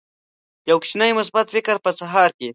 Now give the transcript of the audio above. یو کوچنی مثبت فکر په سهار کې